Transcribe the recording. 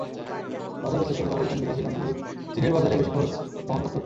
বাজার বিশ্লেষকেরা বলছেন, বিদেশি ব্র্যান্ডগুলোর চীনের বাজারে বেশি খরচ বহন করতে হচ্ছে।